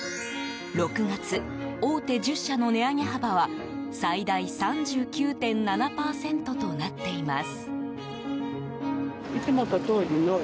６月、大手１０社の値上げ幅は最大３９．７％となっています。